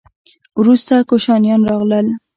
وروسته کوشانیان راغلل